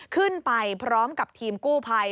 ขึ้นไปพร้อมกับทีมกู้ภัย